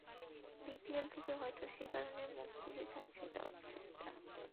BPL থেকে হয়তো সে কারণেই মুখ ফিরিয়ে থাকছেন দর্শকেরা।